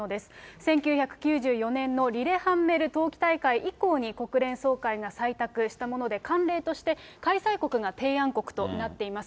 １９９４年のリレハンメル冬季大会以降に、国連総会が採択したもので、慣例として、開催国が提案国となっています。